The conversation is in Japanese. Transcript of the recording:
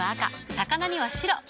魚には白。